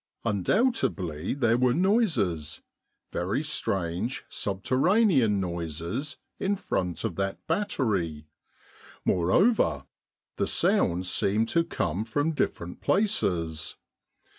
Undoubtedly there were noises — very strange subterranean noises, in front of that battery. Moreover, the sounds seemed to come from different places.